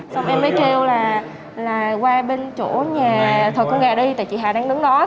xong em mới kêu là qua bên chỗ nhà thợ con gà đi tại chị hà đang đứng đó